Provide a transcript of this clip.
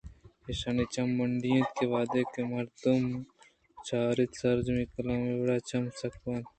اِیشانی چم منڈی اَنت ءُوہدے کہ مردم ءَ چاراَنت سرجمءَ کلام ءِ وڑا چماں سکّ دئینت